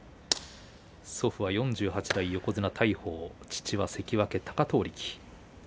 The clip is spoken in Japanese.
祖父は４８代、横綱大鵬父は関脇の貴闘力。